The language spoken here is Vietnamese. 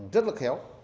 rất là khéo